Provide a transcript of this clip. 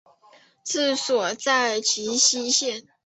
治所在齐熙县。